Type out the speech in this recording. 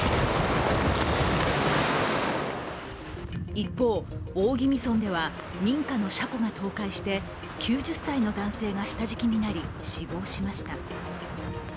一方、大宜味村では民家の車庫が倒壊して９０歳の男性が下敷きになり、死亡しました。